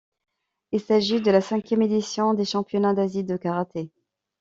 Il s'agit de la cinquième édition des championnats d'Asie de karaté.